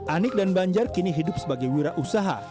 anik dan banjar kini hidup sebagai wira usaha